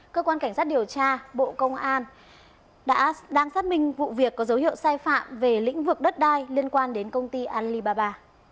cơ quan cảnh sát điều tra bộ công an đã đang xác minh vụ việc có dấu hiệu sai phạm về lĩnh vực đất đai liên quan đến công ty alibaba